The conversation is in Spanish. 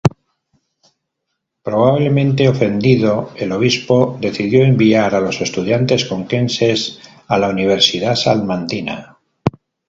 Probablemente ofendido, el obispo decidió enviar a los estudiantes conquenses a la Universidad salmantina.